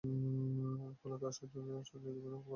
ফলে তারা স্বচ্ছন্দে সানন্দে জীবন যাপন করতে পারবে।